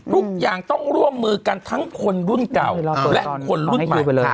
ทุกอย่างต้องร่วมมือกันทั้งคนรุ่นเก่าและคนรุ่นใหม่